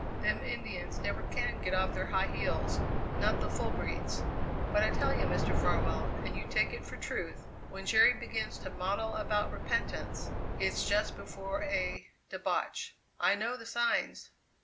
Them Indians never can get off their high heels not the full breeds. But I tell you, Mr. Farwell, and you take it for truth, when Jerry begins to maudle about repentance, it's just before a debauch. I know the signs."